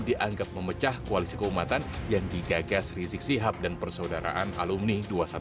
dianggap memecah koalisi keumatan yang digagas rizik sihab dan persaudaraan alumni dua ratus dua belas